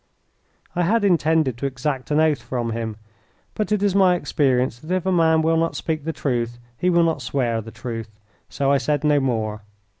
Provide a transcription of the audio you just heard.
I had intended to exact an oath from him, but it is my experience that if a man will not speak the truth he will not swear the truth, so I said no more.